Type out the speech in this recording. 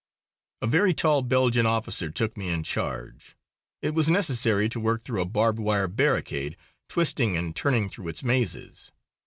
A very tall Belgian officer took me in charge. It was necessary to work through a barbed wire barricade, twisting and turning through its mazes.